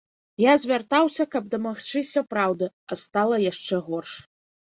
Я звяртаўся, каб дамагчыся праўды, а стала яшчэ горш.